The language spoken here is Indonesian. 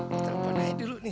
kita lompat naik dulu nih